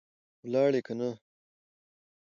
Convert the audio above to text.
ولاړې که نه؟